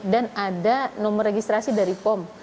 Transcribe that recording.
dan ada nomor registrasi dari bpom